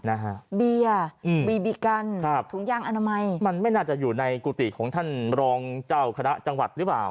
นะฮะเบียร์อืมบีบีกันครับถุงยางอนามัยมันไม่น่าจะอยู่ในกุฏิของท่านรองเจ้าคณะจังหวัดหรือเปล่า